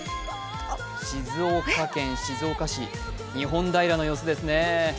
静岡県静岡市、日本平の様子ですね